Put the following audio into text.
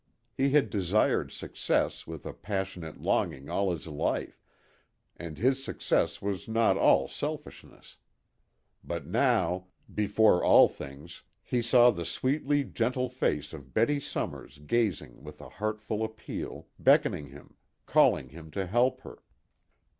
He had desired success with a passionate longing all his life, and his success was not all selfishness. But now, before all things, he saw the sweetly gentle face of Betty Somers gazing with a heartful appeal, beckoning him, calling him to help her.